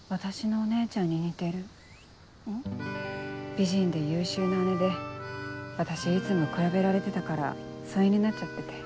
美人で優秀な姉で私いつも比べられてたから疎遠になっちゃってて。